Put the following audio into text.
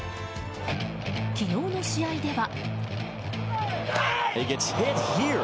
昨日の試合では。